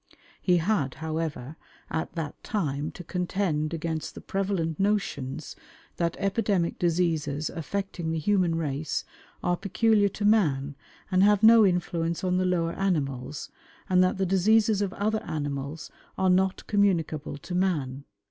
He had, however, at that time to contend against the prevalent notions that epidemic diseases affecting the human race are peculiar to man and have no influence on the lower animals, and that the diseases of other animals are not communicable to man.